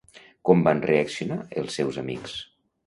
Com van reaccionar els seus amics?